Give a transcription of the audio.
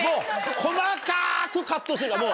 細かくカットするからもう。